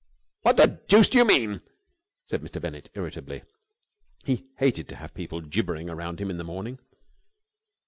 "What the deuce do you mean?" said Mr. Bennett, irritably. He hated to have people gibbering around him in the morning.